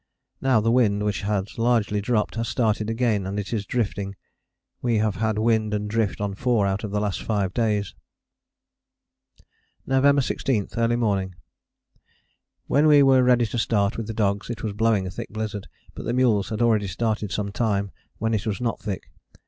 Now the wind, which had largely dropped, has started again and it is drifting. We have had wind and drift on four out of the last five days. November 16. Early morning. When we were ready to start with the dogs it was blowing a thick blizzard, but the mules had already started some time, when it was not thick.